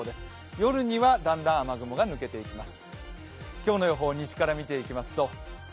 夜にはだんだん雨雲が抜けていきます。